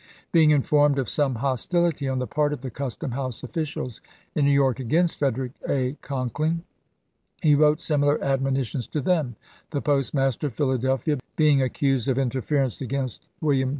Being informed of some hostility on the part of the custom house officials in New York against Frederick A. Conkling, he wrote similar admoni tions to them. The postmaster of Philadelphia being accused of interference against William D.